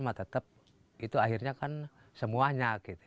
maka tetap itu akhirnya kan semuanya